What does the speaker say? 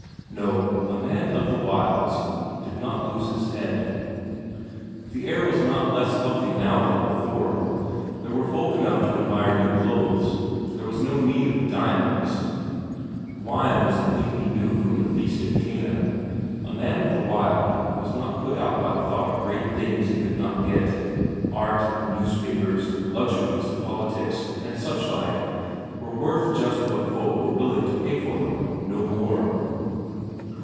No, a man of the wilds did not lose his head. The air was not less healthy now than before; there were folk enough to admire new clothes; there was no need of diamonds. Wine was a thing he knew from the feast at Cana. A man of the wild was not put out by the thought of great things he could not get; art, newspapers, luxuries, politics, and such like were worth just what folk were willing to pay for them, no more.